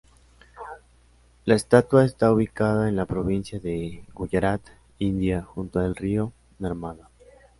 La estatua está ubicada en la provincia de Guyarat, India, junto al río Narmada.